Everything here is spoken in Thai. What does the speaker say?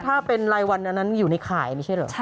ถ้าเป็นรายวันอันนั้นอยู่ในข่ายไม่ใช่เหรอ